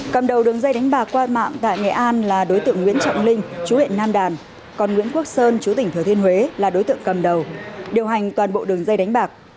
cầm đầu đường dây đánh bạc qua mạng tại nghệ an là đối tượng nguyễn trọng linh chú huyện nam đàn còn nguyễn quốc sơn chú tỉnh thừa thiên huế là đối tượng cầm đầu điều hành toàn bộ đường dây đánh bạc